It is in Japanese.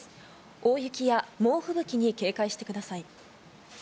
大雪や猛吹雪に警戒してください。